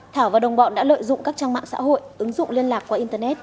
thảo và đồng bọn đã lợi dụng các trang mạng xã hội ứng dụng liên lạc qua internet